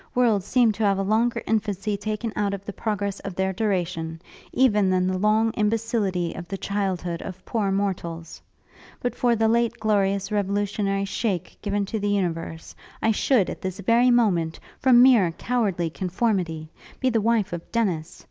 Worlds seem to have a longer infancy taken out of the progress of their duration, even than the long imbecility of the childhood of poor mortals. But for the late glorious revolutionary shake given to the universe, I should, at this very moment, from mere cowardly conformity, be the wife of Dennis!